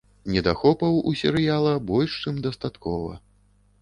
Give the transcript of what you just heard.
Недахопаў у серыяла больш чым дастаткова.